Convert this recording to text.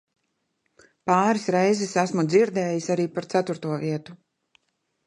Pāris reizes esmu dzirdējis arī par ceturto vietu.